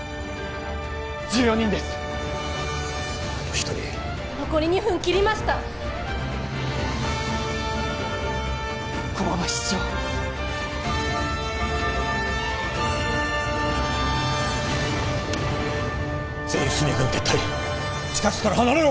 １４人ですあと１人残り２分切りました駒場室長全員すみやかに撤退地下室から離れろ！